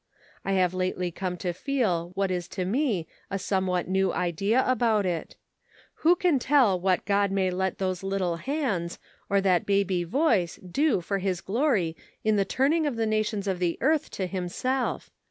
I have lately come to feel what is to me a somewhat new idea about it. Who can tell what God may let those little hands, or that baby voice do for his glory in the turning of the nations of the earth to him self?